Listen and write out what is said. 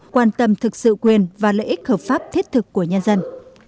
quan tâm thực sự quyền và lợi ích hợp pháp thiết thực của nhân dân